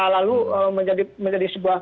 lalu menjadi sebuah